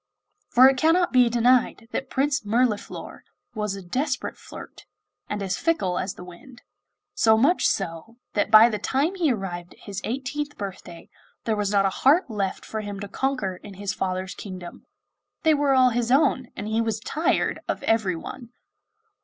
For it cannot be denied that Prince Mirliflor was a desperate flirt, and as fickle as the wind; so much so, that by the time he arrived at his eighteenth birthday there was not a heart left for him to conquer in his father's kingdom they were all his own, and he was tired of everyone!